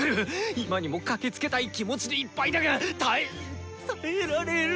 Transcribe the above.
今にも駆けつけたい気持ちでいっぱいだが耐え耐えられる！